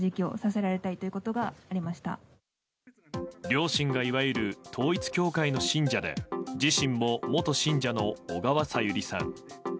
両親がいわゆる統一教会の信者で自身も元信者の小川さゆりさん。